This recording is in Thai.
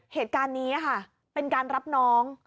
เหตุการณ์นี้ค่ะเป็นการรับน้อง